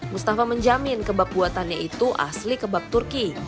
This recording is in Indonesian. mustafa menjamin kebab buatannya itu asli kebab turki